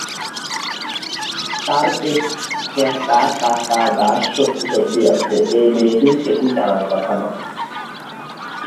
তার পেটে কেটা কাটা দাগ সত্যি-সত্যি আছে, এই মেয়েটির সেটি জানার কথা নয়।